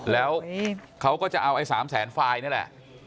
แล้วเขาก็จะเอาไอ้๓แสนไฟล์นี่แหละ